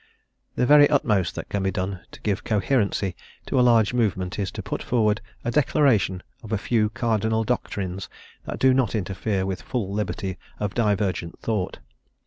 The very utmost that can be done to give coherency to a large movement is to put forward a declaration of a few cardinal doctrines that do not interfere with full liberty of divergent thought.